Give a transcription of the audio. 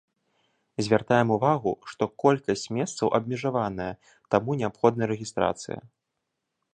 Звяртаем увагу, што колькасць месцаў абмежаваная, таму неабходна рэгістрацыя.